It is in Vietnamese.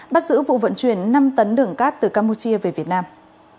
bắt giữ vụ vận chuyển năm tấn đường cát từ campuchia về việt nam